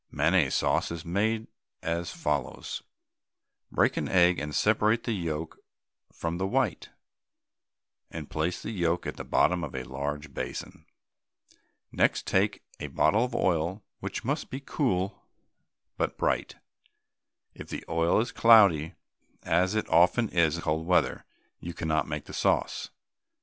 Mayonnaise sauce is made as follows: Break an egg and separate the yolk from the white, and place the yolk at the bottom of a large basin. Next take a bottle of oil, which must be cool but bright; if the oil is cloudy, as it often is in cold weather, you cannot make the sauce.